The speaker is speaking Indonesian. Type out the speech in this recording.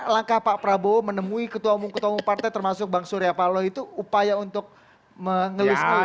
langkah pak prabowo menemui ketua umum ketua umum partai termasuk bang surya paloh itu upaya untuk mengeliskan